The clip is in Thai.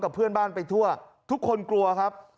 เพื่อนบ้านไปทั่วทุกคนกลัวครับ